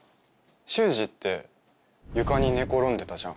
秀司って床に寝転んでたじゃん。